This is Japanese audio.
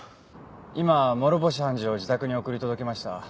今諸星判事を自宅に送り届けました。